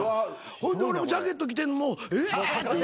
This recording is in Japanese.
ほんで俺もジャケット着てえって。